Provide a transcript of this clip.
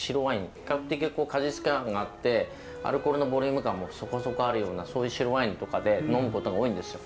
比較的果実感があってアルコールのボリューム感もそこそこあるようなそういう白ワインとかで飲むことが多いんですよ。